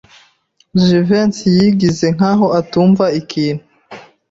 Jivency yigize nkaho atumva ikintu.